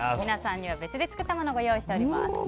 皆さんには別で作ったものをご用意してあります。